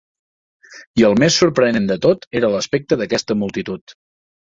I el més sorprenent de tot era l'aspecte d'aquesta multitud.